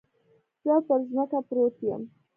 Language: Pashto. زه پر ځمکه پروت يم.